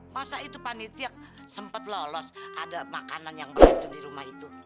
masa itu panitia sempat lolos ada makanan yang beracun di rumah itu